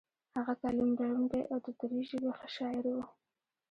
هغه تعلیم لرونکی او د دري ژبې ښه شاعر هم و.